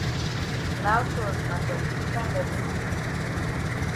Now so na some different level mami.